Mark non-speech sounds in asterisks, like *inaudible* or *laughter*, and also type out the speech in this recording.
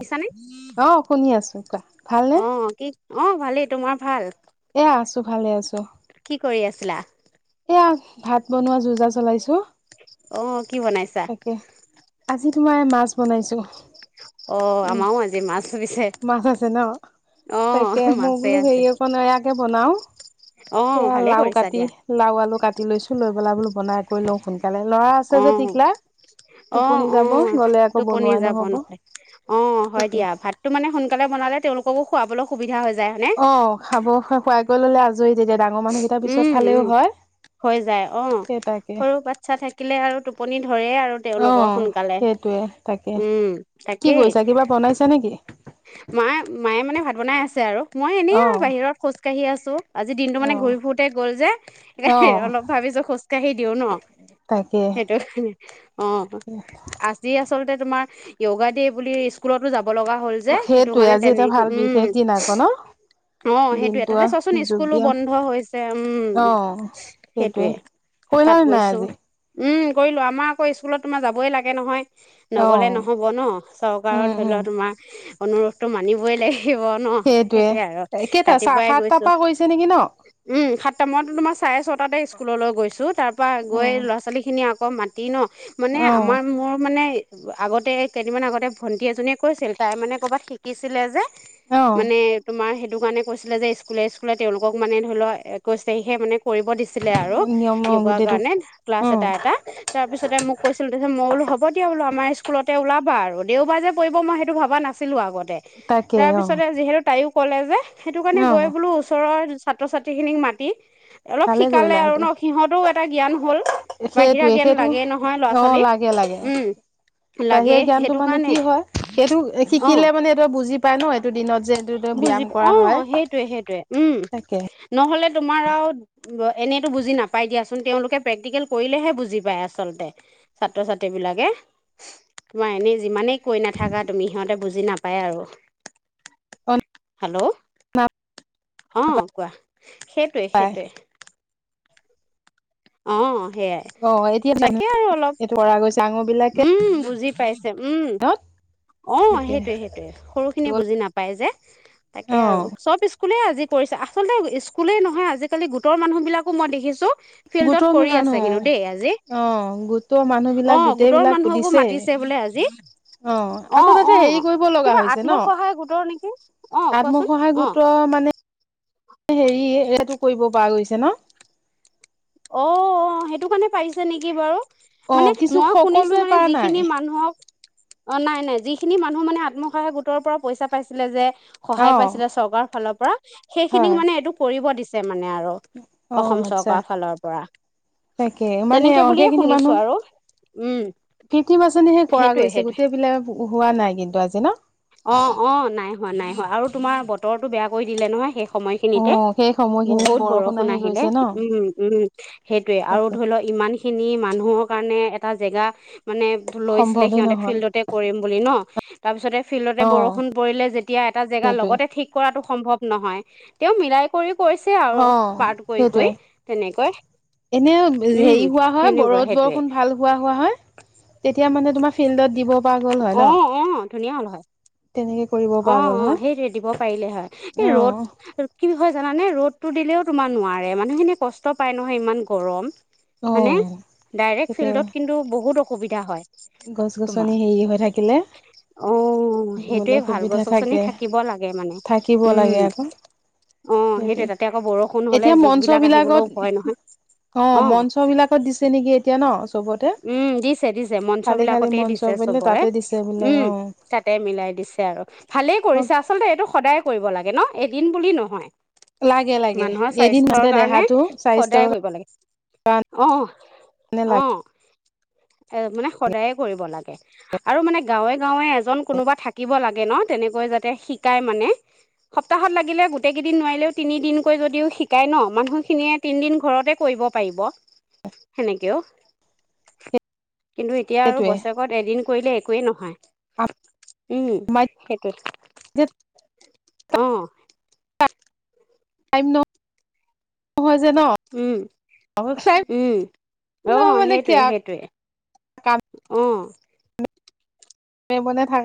শুনিছানে অঁ শুনি আছো কোৱা ভালনে অঁ ভালেই তোমাৰ ভাল এয়া আছো ভালে আছো কি কৰি আছিলা এয়া ভাত বনোৱা যোজা চলাইছো অ' কি বনাইছা তাকে আজি তোমাৰ মাছ বনাইছো অঁ উ আমাৰো আজি মাছ পিছে মাছ আছে ন তাকে অঁ মই মাছে বোলো হেৰি আছে অকণ এয়াকে বনাও অ' এয়া ভালে লাও কৰিছা কাটি দিয়া আলু কাটি লৈছো লৈ পেলাই বোলো বনাই কৰি লওঁ সোনকালে ল'ৰা আছে যে অঁ টিকলা অঁ টোপনি যাব অঁ গ'লে আকৌ টোপনি বনোৱাই যাব নহ'ব নহলে অঁ হয় তাকে দিয়া ভাতটো মানে সোনকালে বনালে তেওঁলোক তেওলোককো খুৱাবলৈ সুবিধা হয় অঁ খাব খুৱাই কৰি ল'লে আজৰি তেতিয়া ডাঙৰ মানুহকেইটাৰ পিছত উম খালেও উম হয় হৈ যায় অঁ সেই তাকে সৰু বাচ্ছা থাকিলে আৰু টোপনি ধৰে আৰু অ তেওঁলোকৰ সোনকালে সেইটোৱে তাকে উম কি তাকেই কৰিছা কিবা বনাইছা নেকি মায়ে মায়ে মানে ভাত বনাই আছে আৰু মই এনে আৰু অ', বাহিৰত খোজকাঢ়ি আছো আজি দিনটো মানে অ', ঘূৰি ফুৰোতে গ'ল যে সেইকাৰণে অ', অলপ ভাবিছো খোজকাঢ়ি দিও ন তাকে। সেইটো কাৰণে অঁ আজি আচলতে তোমাৰ য়োগা দে বুলি স্কুলটো যাব যাব লগা হ'ল যে সেইটো সেইটোৱে কাৰণে আজি এটা তেনেকে ভাল উম বিশেষ দিন আকৌ ন? অঁ সেইটোৱেই দিনটো তাতে আৰু চোৱাচোন যোগ স্কুলো ব্যায়াম বন্ধ উম অ', সেইটোৱে কৰিলা তাত নে নাই গৈছো আজি? উম কৰিলোঁ আমাৰ আকৌ স্কুলত তোমাৰ যাবই লাগে নহয় নগলে অ', নহব ন উম, চৰকাৰৰ ধৰি উম, লোৱা তোমাৰ অনুৰোধটো মানিবই লাগে সেইটোয়ে কেইটা চা ৰাতিপুৱাই সাতটাৰ গৈছো পৰা কৰিছে নেকি ন উম সাতটা মইতো তোমাৰ চাৰে ছয়টাতে স্কুললৈ গৈছো তাৰ পৰা গৈ অ', ল'ৰা ছোৱালী খিনি আকৌ আকৌ মাতি ন মানে অ', আমাৰ মোৰ মানে আগতে কেইদিনমান আগতে ভন্টি এজনীয়ে কৈছিল তাই মানে কৰ'ৰবাত শিকিছিলে যে অ', মানে তোমাৰ স সটো কাৰণে কৈছিলে যে স্কুলে স্কুলে তেওঁলোকক মানে ধ লোৱা একৈশ তাৰিখে মানে কৰিব দিছিলে আৰু নিয়ম অ', য়োগাৰ গোটেইটো কাৰণে ক্লাছ উম, এটা এটা তাৰপিছতে মোক কৈছিল তপি মই বোলো হ'ব দিয়া বোলো আমাৰ স্কুলতে ওল া আৰু দেওবাৰ যে পৰিব মই সেইটো ভবা নাছিলো আগত তাকে তাৰ অ', পিছতে যিহেতু তাইও কলেজে সেইটো কাৰণে গৈ অ', বোলো ওচৰৰ ছাত্ৰ ছাত্ৰীখিনিক মাতি অলপ ভালে শিকালে কৰিলা আৰু সেইটো। ন সিহঁতেও এটা জ্ঞান হ'ল বাহিৰা সেইটোৱে জ্ঞান সেইটো লাগেই নহয় ল'ৰা অ', ছোৱালীক লাগে লাগে উম বাহিৰা লাগে জ্ঞানটো সেইটো মানে কি কাৰণে হয় সেইটো আহ শিকিলে মানে এইটো বুজি পাই ন দিনত যে এইটো ব্যায়াম বুজি কৰা অ হয় সেইটয়ে সেইটয়ে উম তাকে নহ'লে তোমাৰ এনে ব নাপ দিয়াোনলোকে প্ৰে্টিক কৰিলেে ব প আচল ছাত্ৰ ছাত্ৰী বিাকে এনে যি কৈ নাথাকা তুমি সিহঁতে বুজি নাপায় আৰু অ হেল্ল' হ কোৱা সেইটোৱে পাই সেইটয়ে অ অ এতিয়া জানো এইটো অৰা গৈছে আঙুৰ উম বুজি পাইছে উম অ তাকে সেইটয়ে সেইটয়ে সৰু খিনিয়ে বুজি নাপায় পাই যে তাকে অ আৰু চব স্কুলে আজি কৰিছে আচলতে স্কুলেই নহয় আজিকালি গোটৰ মানুহ বিিলাকো মই দেখিছো গোটৰ মানুহ অ গোটৰ মানুহ বিলাক অঁ গোটৰ গোটেইবলাক মানুহকো দিছে মাতিছে বোলে আজি অ আকৌ তাতে হেৰি কৰিব লগা কিবা হৈছে ন আত্মসহায় গোটৰ নেকি অ কোৱাচোন আত্মসহায় অ গোত মানে হেৰি এইটো কৰিব পাৰ গৈছে ন অ সেইটো কাৰণে পাৰিছে নেকি বাৰু অ মানে কিছু মই শুনিছো সকলোৱে মানে পৰা নাই যিখিনি মানুহক অ নাই নাই যিখিনি মানুহ মানে আত্মসহায়ক গোটৰ পৰা পইচা পাইছিলে যে অ সহায় পাইছিলে চৰকাৰৰ ফালৰ পৰা সেইখিনিক হয় মানে এইটো কৰিব দিছিল মানে আৰু অ অসম আচ্ছা চৰকাৰৰ ফালৰ পৰা তাকে মানে তেনেকে অ বুলিয়ে সেইখিনি শুনিছো মানুহ আৰু উম কীৰ্তি বাচনিহে কৰা সেইটোৱে গৈছে সেইটোৱে গোটেই বিলাক হোৱা নাই কিন্তু আজি ন। অ-অ নাই হোৱা নাই হোৱা আৰু তোমাৰ বতৰটো বেয়া কৰি দিলে নহয় শেষ সময় অ খিনিতে সেই সময়খিনি বহুত বৰষুণ আহি আহিলে গৈছে ন উ-উ সেইটোয়ে আৰু তাকে ধৰি লও ইমান, খিনি মানুহৰ কাৰণে এটা জেগা মানে লৈছিলে সম্ভৱেই সিহঁতে নহয়। ফিল্ডতে কৰিম বুলি ন। তাৰপিছতে ফিল্ডতে অ বৰষুণ পৰিলে যেতিয়া এটা জেগা সেইটোৱে লগতে ঠিক কৰাটো, সম্ভৱ নহয় তেওঁ মিলাই কৰি, কৰিছে আৰু অ পাৰ্ট কৰি কৰি তেনেকৈ সেইটোৱে এনে উম হেৰি হোৱা হয় সেনেকুৱা ৰদ সেইটোৱে বৰষুণ ভাল হোৱা-হোৱা হয় তেতিয়া মানে তোমাৰ ফিল্ডত দিব পৰা গ'ল হয় ন। ধুনীয়া হল হয়। তেনেকে কৰিব পৰা গ'ল অ-অ হয় সেই দিব পাৰিলে হয় এই অ ৰ'দ কি হয় জানে ৰ'দতো দিলেও তোমাৰ নোৱাৰে মানুহখিনি কষ্ট পাই নহয় ইমান গৰম। অ হয়নে ডাইৰে তেতিয়া ফিল্ডত কিন্তু বহুত অসুবিধা হয়। গছ তোমাৰ গছনি হেৰি হৈ থাকিলে অ' সেইটোৱে দিবলৈ ভাল সুবিধা, গছ গছনি থাকে থাকিব লাগে মানে থাকিব লাগে উম আকৌ অ সেইটোৱে তাতে আকৌ বৰষুণ হলে এতিয়া যুগ মঞ্চ বিলাক আহিবলৈও বিলাকত ভয় নহয় অ। মঞ্চ বিলাকত দিছে নেকি এতিয়া ন চবতে উম দ দিছে-দিছে মঞ্চ খালি খালি বিলাকতেই মঞ্চ দিছে বোলে চবৰে তাতে দিছে বোলে উম অ তাতে মিলাই দিছে আৰু ভালেই কৰিছে আচলতে এইটো সদায় কৰিব লাগে ন। এদিন বুলি নহয়, লাগে লাগে মানুহৰ এদিন স্বাস্থ্যৰ মাতে কাৰণে দেহাটো স্বাস্থ্যৰ সদায় কৰিব লাগে কাৰণে লাগে অহ-অহ। এ মানে সদায়ে কৰিব লাগে আৰু মানে গাঁৱে-গাঁৱে এজন কোনোবা থাকিব লাগে ন তেনেকৈ যাতে শিকাই মানে সপ্তাহত লাগিলে গোটেই কেইদিন নোৱাৰিলেও তিনিদিনকৈ যদিও শিকায় ন মানুহখিনিয়ে তিনিদিন ঘৰতে কৰিব পাৰিব সেনেকেও। কিন্তু এতিয়া আৰু সেইটোৱে বছৰেকত এদিন কৰিলে, একোৱেই নহয় উম সেইটো। যেত অহ, ন *unintelligible* টাইম উম-উম অহ নহয় মানে কি সেইটয়ে-সেইটয়ে, কামে অ মে মনত থাক